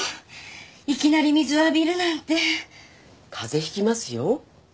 いきなり水を浴びるなんてカゼ引きますよ